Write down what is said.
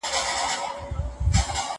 زه پرون کتابتون ته راغلم؟